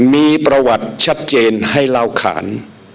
มีประวัติชัดเจนให้เล่าขาน